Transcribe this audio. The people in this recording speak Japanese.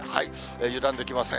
油断できません。